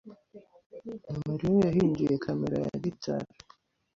Mariya yahinduye kamera ya gitari.